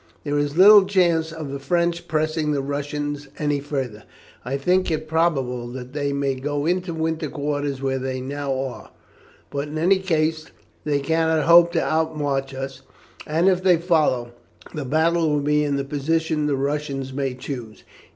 "There is little chance of the French pressing the Russians any further. I think it probable that they may go into winter quarters where they now are; but in any case they cannot hope to outmarch us, and, if they follow, the battle will be in the position the Russians may choose.